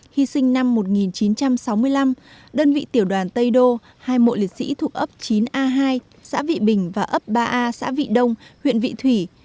hy sinh năm một nghìn chín trăm sáu mươi năm đơn vị tiểu đoàn tây đô hai mộ liệt sĩ thuộc ấp chín a hai xã vị bình và ấp ba a xã vị đông huyện vị thủy